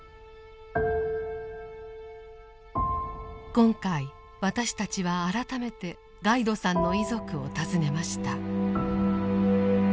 今回私たちは改めてガイドさんの遺族を訪ねました。